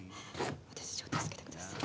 私を助けてください